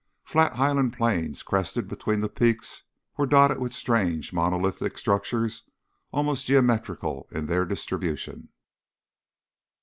Flat highland plains crested between the peaks were dotted with strange monolithic structures almost geometrical in their distribution.